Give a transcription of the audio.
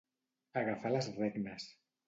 Agafar les regnes.